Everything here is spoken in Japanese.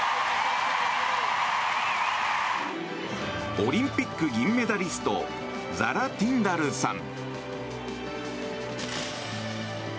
オリンピック銀メダリストザラ・ティンダルさん。